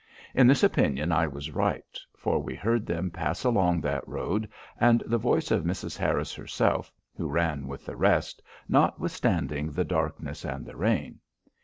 In this opinion I was right; for we heard them pass along that road, and the voice of Mrs. Harris herself, who ran with the rest, notwithstanding the darkness and the rain.